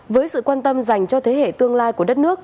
với sự quan tâm dành cho thế hệ tương lai của đất nước